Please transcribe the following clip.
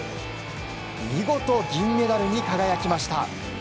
見事、銀メダルに輝きました。